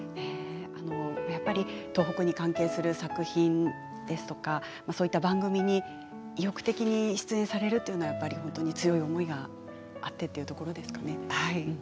やっぱり東北に関係する作品ですとかそういった番組に意欲的に出演されるというのはやはり本当に強い思いがあってはい。